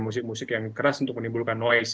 musik musik yang keras untuk menimbulkan noise